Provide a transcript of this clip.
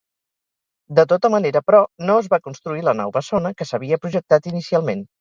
De tota manera, però, no es va construir la nau bessona que s'havia projectat inicialment.